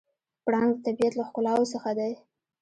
پړانګ د طبیعت له ښکلاوو څخه دی.